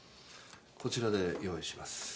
こちらで用意します。